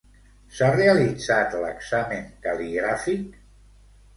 S'ha realitzat l'examen cal·ligràfic?